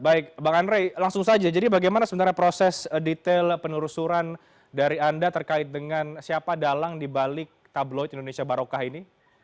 baik bang andre langsung saja jadi bagaimana sebenarnya proses detail penelusuran dari anda terkait dengan siapa dalang dibalik tabloid indonesia barokah ini